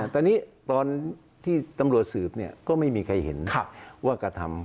ตอนนี้ตอนที่ตำรวจสืบก็ไม่มีใครเห็นว่ากระทำ